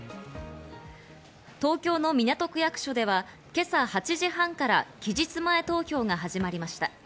東京の港区役所では今朝８時半から期日前投票が始まりました。